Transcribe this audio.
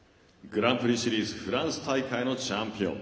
グランプリシリーズフランス大会のチャンピオン。